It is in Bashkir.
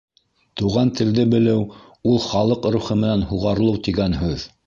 Туған телде белеү — ул халыҡ рухы менән һуғарылыу тигән һүҙ.